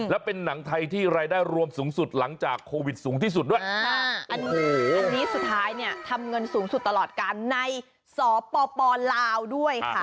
และเป็นหนังไทยที่รายได้รวมสูงสุดหลังจากโควิดสูงที่สุดด้วยอันนี้สุดท้ายเนี่ยทำเงินสูงสุดตลอดการในสปลาวด้วยค่ะ